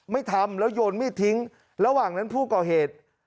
ไม่ทำแล้วโยนมีดทิ้งระหว่างนั้นผู้ก่อเหตุ